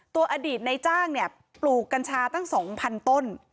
อดีตในจ้างเนี่ยปลูกกัญชาตั้ง๒๐๐๐ต้น